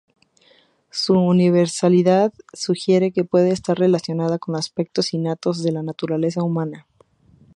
Su universalidad sugiere que puede estar relacionada con aspectos innatos de la naturaleza humana.